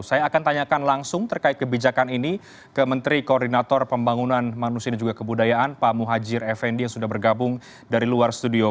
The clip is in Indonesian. saya akan tanyakan langsung terkait kebijakan ini ke menteri koordinator pembangunan manusia dan juga kebudayaan pak muhajir effendi yang sudah bergabung dari luar studio